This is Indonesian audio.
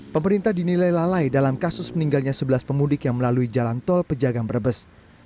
pemerintah dinilai lalai dalam kasus meninggalnya sebelas pemudik yang melalui jalan tol pejagang brebes